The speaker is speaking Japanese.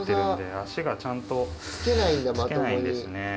足がちゃんとつけないんですね。